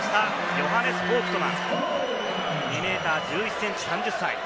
ヨハネス・フォウクトマン、２ｍ１１ｃｍ、３０歳。